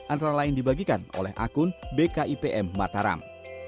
antara lain dibagikan oleh akun bkipm mataram